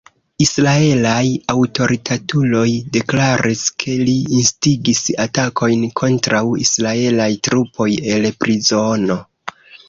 Israelaj aŭtoritatuloj deklaris, ke li instigis atakojn kontraŭ israelaj trupoj el prizono.